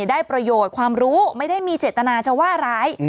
ได้ประโยชน์ความรู้ไม่ได้มีเจตนาจะว่าร้าย